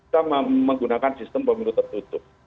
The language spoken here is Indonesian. kita menggunakan sistem pemilu tertutup